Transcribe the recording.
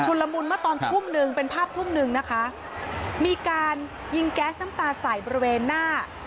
ละมุนเมื่อตอนทุ่มหนึ่งเป็นภาพทุ่มหนึ่งนะคะมีการยิงแก๊สน้ำตาใส่บริเวณหน้า